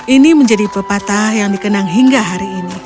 ini menjadi pepatah yang dikenang hingga hari ini